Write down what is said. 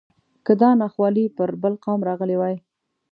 که دا ناخوالې پر بل قوم راغلی وای.